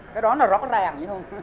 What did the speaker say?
cái đó là rõ ràng